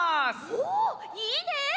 おおいいね！